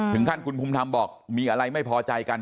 ถึงขั้นคุณภูมิธรรมบอกมีอะไรไม่พอใจกัน